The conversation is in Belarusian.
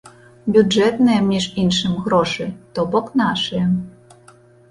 Бюджэтныя, між іншым, грошы, то-бок нашыя.